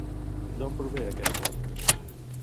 D'on prové aquest mot?